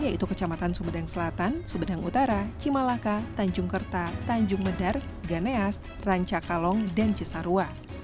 yaitu kecamatan sumedang selatan sumedang utara cimalaka tanjung kerta tanjung medar ganeas rancakalong dan cisarua